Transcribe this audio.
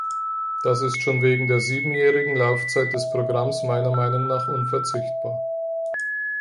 Das ist schon wegen der siebenjährigen Laufzeit des Programms meiner Meinung nach unverzichtbar.